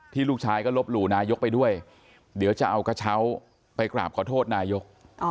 ลูกชายก็ลบหลู่นายกไปด้วยเดี๋ยวจะเอากระเช้าไปกราบขอโทษนายก